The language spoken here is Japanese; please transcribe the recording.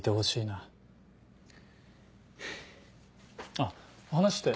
あっ話って？